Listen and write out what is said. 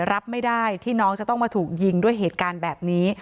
รับไม่ได้ที่น้องจะต้องมาถูกยิงด้วยเหตุการณ์แบบนี้